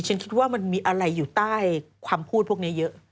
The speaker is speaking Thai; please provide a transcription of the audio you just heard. ฉันคิดว่ามันมีอะไรอยู่ใต้ความพูดพวกนี้เยอะ